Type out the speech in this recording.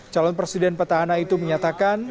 calon presiden petahana itu menyatakan